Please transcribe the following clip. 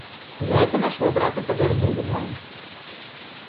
За это нашего брата по горбу бывало.